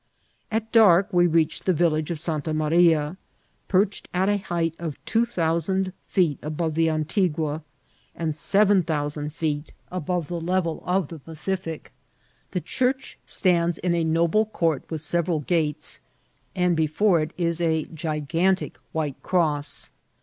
At dark we reached the vil lage of Santa Maria, perched at a height of two thou sand feet above the Antigua, and seven thousand feet 379 INCIDXHT8 OF TRATKL. mbove the level of the Pacific. The church stands in a noble court with several gates, and before it is a gi« gantic white cross.